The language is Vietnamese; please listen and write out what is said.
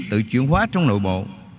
tự chuyển hóa trong nội bộ